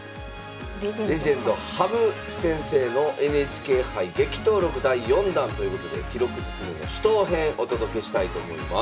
レジェンド羽生先生のＮＨＫ杯激闘録第４弾ということで「記録ずくめの死闘編」お届けしたいと思います。